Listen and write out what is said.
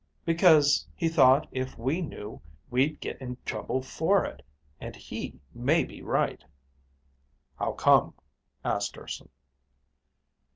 "Because he thought if we knew, we'd get in trouble with it. And he may be right." "How come?" asked Urson.